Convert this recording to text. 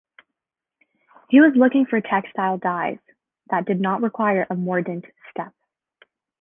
He was looking for textile dyes that did not require a mordant step.